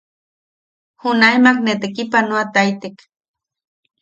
Junaemak ne tekipanoataitek.